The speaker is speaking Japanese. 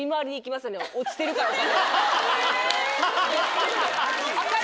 落ちてるかお金。